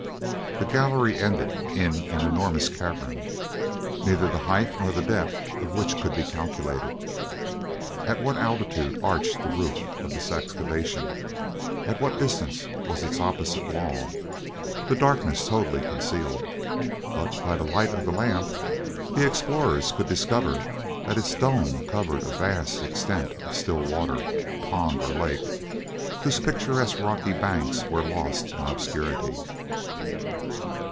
The gallery ended in an enormous cavern, neither the height nor depth of which could be calculated. At what altitude arched the roof of this excavation—at what distance was its opposite wall—the darkness totally concealed; but by the light of the lamp the explorers could discover that its dome covered a vast extent of still water—pond or lake—whose picturesque rocky banks were lost in obscurity.